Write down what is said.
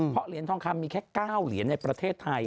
เพราะเหรียญทองคำมีแค่๙เหรียญในประเทศไทย